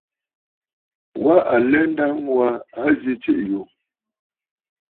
Wa alɛ nda ŋû aa a zi tsiʼì yù.